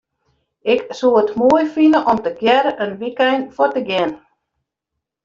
Ik soe it moai fine om tegearre in wykein fuort te gean.